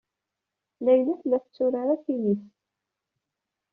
Layla tella tetturar atinis.